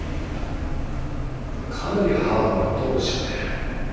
かなりハードなことをおっしゃってる。